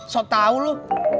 so tau lu